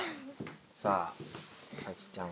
さあサキちゃん